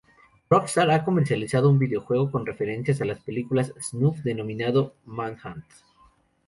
Rockstar ha comercializado un videojuego con referencias a las películas snuff, denominado Manhunt.